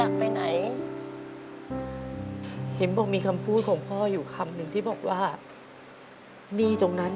กองทุนมุบันครับ